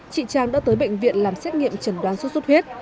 chị trang đã tới bệnh viện làm xét nghiệm chẩn đoán suốt suốt huyết